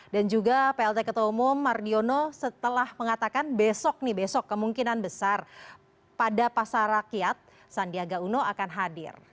dan juga plt ketua umum mardiono setelah mengatakan besok nih besok kemungkinan besar pada pasar rakyat sandiaga uno akan hadir